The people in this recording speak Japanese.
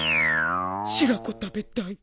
白子食べたい。